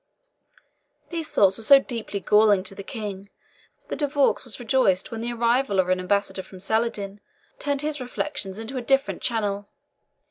These thoughts were so deeply galling to the King, that De Vaux was rejoiced when the arrival of an ambassador from Saladin turned his reflections into a different channel.